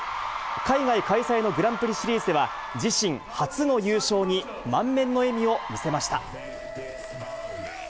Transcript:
海外開催のグランプリシリーズでは、自身初の優勝に満面の笑みを見せました。